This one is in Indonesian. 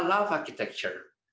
saya suka arsitektur